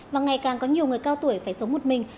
và ngày càng có nhiều người cao tuổi phải sống một mình